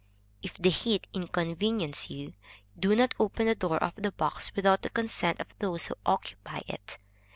If the heat incommodes you, do not open the door of the box, without the consent of those who occupy it.